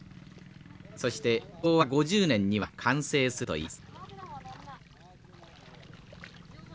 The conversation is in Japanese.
そして昭和５０年には完成するといいます。